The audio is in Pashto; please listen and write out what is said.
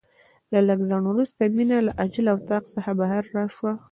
له لږ ځنډ وروسته مينه له عاجل اتاق څخه رابهر شوه.